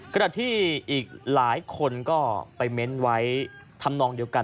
ขณะที่อีกหลายคนก็ไปเม้นต์ไว้ทำนองเดียวกัน